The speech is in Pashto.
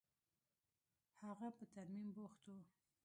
هغه په ترميم بوخت و.